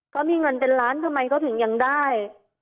เขามีเงินเป็นล้านทำไมเขาถึงยังได้